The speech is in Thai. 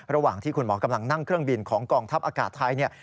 ระหว่างที่คุณหมอกำลังนั่งเครื่องบินของกองทัพอากาศไทยเนี่ย